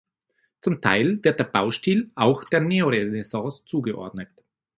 Zum Teil wird der Baustil auch der Neorenaissance zugeordnet.